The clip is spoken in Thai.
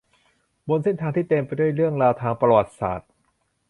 บนเส้นทางที่เต็มไปด้วยเรื่องราวทางประวัติศาสตร์